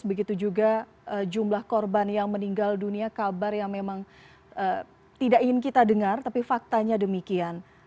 begitu juga jumlah korban yang meninggal dunia kabar yang memang tidak ingin kita dengar tapi faktanya demikian